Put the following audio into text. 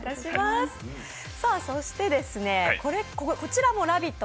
そしてですね、こちらも「ラヴィット！」